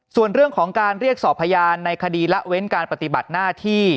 ส่วนเรื่องของการเรียกสอบพยานในคดีละเว้นการปฏิบัติหน้าที่